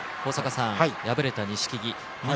敗れた錦木です。